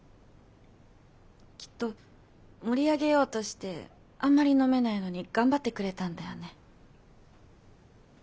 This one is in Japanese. きっと盛り上げようとしてあんまり飲めないのに頑張ってくれたんだよね。